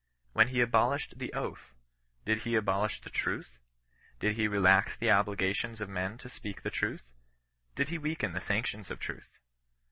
When he abolished the oath, did he abolish the truth ? Did he relax the obligations of men to speak the truth? Did he weaken the sanctions of truth?